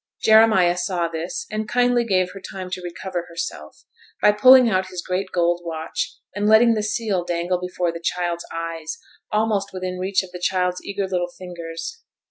Jeremiah saw this, and kindly gave her time to recover herself, by pulling out his great gold watch, and letting the seal dangle before the child's eyes, almost within reach of the child's eager little fingers.